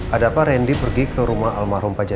adakah randy pergi ke rumah almarhum pak jajah